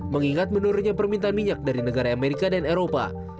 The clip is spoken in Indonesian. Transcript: mengingat menurunnya permintaan minyak dari negara amerika dan eropa